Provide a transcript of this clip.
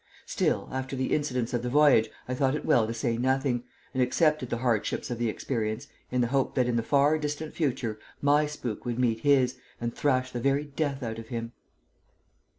Still, after the incidents of the voyage, I thought it well to say nothing, and accepted the hardships of the experience in the hope that in the far distant future my spook would meet his and thrash the very death out of him.